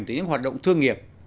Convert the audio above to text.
từ những hoạt động thương nghiệp